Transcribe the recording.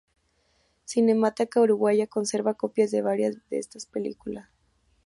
Cinemateca Uruguaya conserva copias de varias de estas películas.